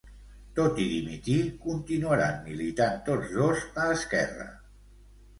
Tot i dimitir, continuaran militant tots dos a Esquerra.